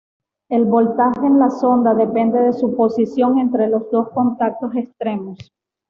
El voltaje en la sonda depende de su posición entre los dos contactos extremos.